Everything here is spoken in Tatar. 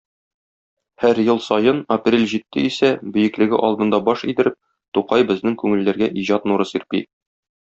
Һәр ел саен, апрель җитте исә, бөеклеге алдында баш идереп, Тукай безнең күңелләргә иҗат нуры сирпи.